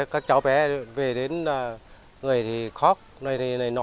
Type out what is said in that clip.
các cháu bé về đến người thì khóc này này nọ